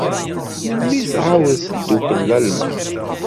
Melmi ay tɛawed teddukkel Lalman?